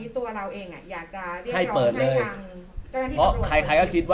คือตอนนี้ตัวเราเองอยากจะ